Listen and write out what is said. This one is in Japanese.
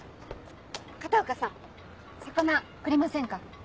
片岡さん魚くれませんか？